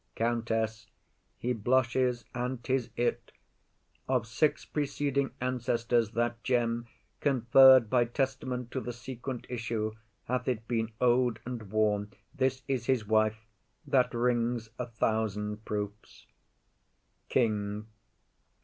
COUNTESS. He blushes, and 'tis it. Of six preceding ancestors, that gem Conferr'd by testament to th' sequent issue, Hath it been owed and worn. This is his wife; That ring's a thousand proofs. KING.